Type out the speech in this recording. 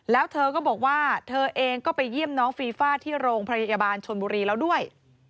แล้วเธอก็บอกว่าเธอเองก็ไปเยี่ยมน้องฟีฟ่าที่โรงพยาบาลชนบุรีแล้วด้วย